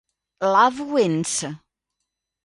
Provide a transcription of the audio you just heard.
Love Wins